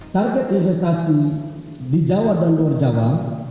target investasi di jawa dan luar jawa